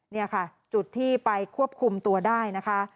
นี่ค่ะจุดที่ไปควบคุมตัวได้นะคะ